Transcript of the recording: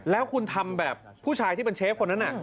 แล้วคุณทำแบบผู้ชายที่เป็นเชฟคนนั้น